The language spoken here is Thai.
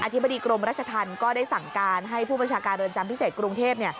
ธิบดีกรมราชธรรมก็ได้สั่งการให้ผู้บัญชาการเรือนจำพิเศษกรุงเทพ